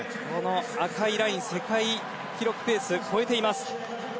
赤いライン世界記録ペースを超えています。